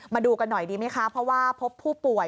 มาดูกันหน่อยดีไหมคะเพราะว่าพบผู้ป่วย